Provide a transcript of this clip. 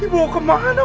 dibawa kemana faridah